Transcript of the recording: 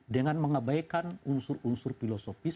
dengan mengabaikan unsur unsur filosofis